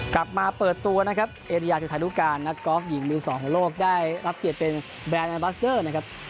กลับมาเปิดตัวนะครับเอริยาจุธานุการนักกอล์ฟหญิงมือสองของโลกได้รับเกียรติเป็นแบรนด์แอนบัสเดอร์นะครับ